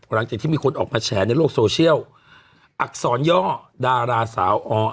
หลังจากที่มีคนออกมาแฉในโลกโซเชียลอักษรย่อดาราสาวออ